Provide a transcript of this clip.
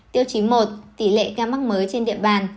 tiêu chí một tỷ lệ ca mắc mới trên địa bàn